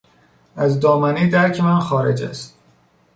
از دامنهی درک من خارج است.